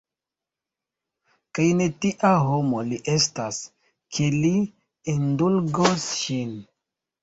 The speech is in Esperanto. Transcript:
Kaj ne tia homo li estas, ke li indulgos ŝin!